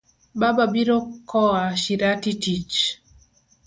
Baba biro koa shirati tich.